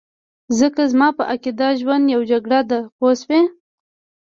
ځکه زما په عقیده ژوند یو جګړه ده پوه شوې!.